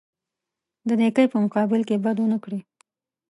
د نیکۍ په مقابل کې بد ونه کړي.